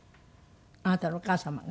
あなたのお母様が。